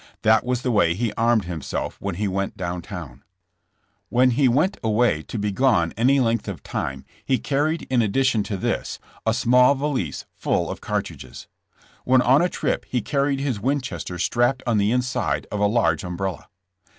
That was the way he armed himself when he went down towTi. When he went away to be gone any length of time he car ried in addition to this, a small valise full of cartridges. When on a trip h© carried his Winches ter strapped on the inside of a large umbrella.